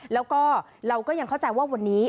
แล้วก็เราก็ยังเข้าใจว่าวันนี้